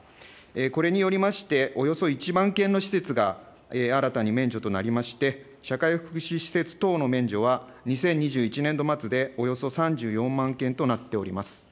これによりまして、およそ１万件の施設が新たに免除となりまして、社会福祉施設等の免除は２０２１年度末でおよそ３４万件となっております。